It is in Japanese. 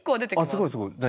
すごいすごい。何？